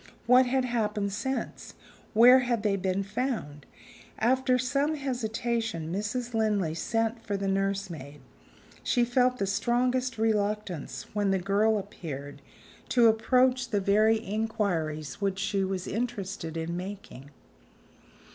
What had happened since? Where had they been found? After some hesitation, Mrs. Linley sent for the nursemaid. She felt the strongest reluctance, when the girl appeared, to approach the very inquiries which she was interested in making.